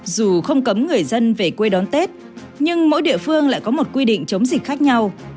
dù không cấm người dân về quê đón tết nhưng mỗi địa phương lại có một quy định chống dịch khác nhau